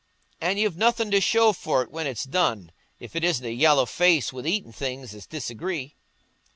An' you've nothing to show for't when it's done, if it isn't a yallow face wi' eatin' things as disagree."